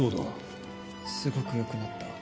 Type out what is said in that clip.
すごく良くなった。